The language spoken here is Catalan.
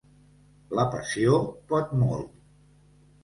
La passió pot molt.